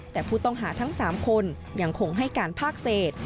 แต่ผู้ต้องหาทั้ง๓คนยังคงให้การภาคเศษ